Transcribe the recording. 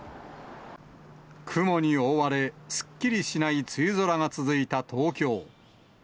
雲に覆われ、すっきりしない梅雨空が続いた東京。